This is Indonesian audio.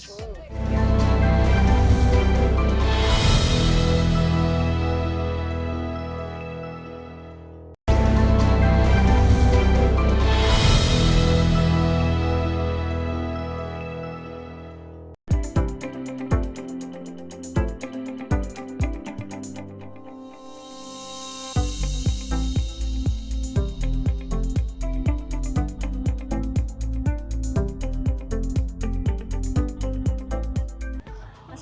pindah ke golkar